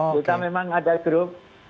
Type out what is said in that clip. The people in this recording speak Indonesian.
kita memang ada grup